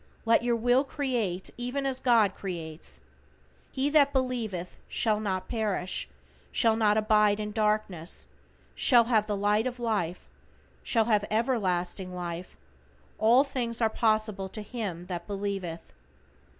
Let your Will create, even as God creates. "He that believeth shall not perish, shall not abide in darkness, shall have the light of life, shall have everlasting life; all things are possible to him that believeth."